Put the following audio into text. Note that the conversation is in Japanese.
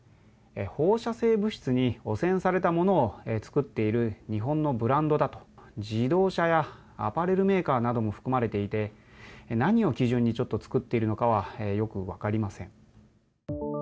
放射性物質に汚染されたものを作っている日本のブランド、自動車やアパレルメーカーなども含まれていて、何を基準に作っているのかはよく分かりません。